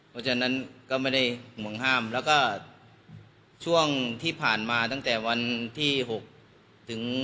เพราะฉะนั้นก็ไม่ได้ห่วงห้ามแล้วก็ช่วงที่ผ่านมาตั้งแต่วันที่๖ถึง